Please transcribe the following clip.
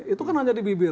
itu kan hanya di bibir